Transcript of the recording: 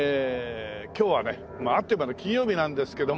今日はねまああっという間の金曜日なんですけども。